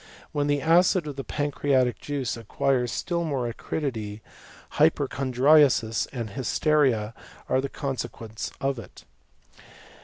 When the acid of the pancreatic iuice acquires still more acridity, hypochondriasis and nysteria are the consequences of it.